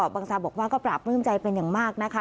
บางซาบอกว่าก็ปราบปลื้มใจเป็นอย่างมากนะคะ